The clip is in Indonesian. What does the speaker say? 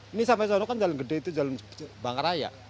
ini sampe sono kan jalan gede itu jalan bangaraya